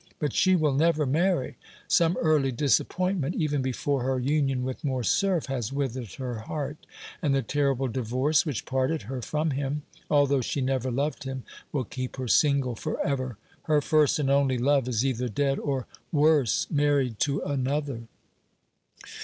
"But she will never marry. Some early disappointment, even before her union with Morcerf, has withered her heart, and the terrible divorce which parted her from him, although she never loved him, will keep her single forever. Her first and only love is either dead or worse married to another."